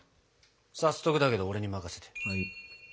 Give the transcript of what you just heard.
早速だけど俺に任せて。